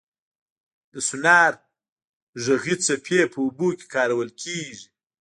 د سونار غږي څپې په اوبو کې کارول کېږي.